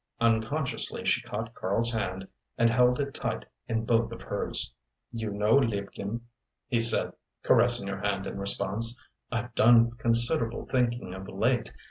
Unconsciously she caught Karl's hand and held it tight in both of hers. "You know, liebchen," he said, caressing her hand in response, "I've done considerable thinking of late.